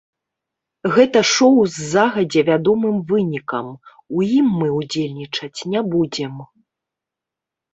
Гэта шоў з загадзя вядомым вынікам, у ім мы ўдзельнічаць не будзем.